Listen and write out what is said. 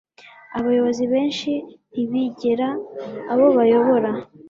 abayobozi benshi ntibegera abo bayobora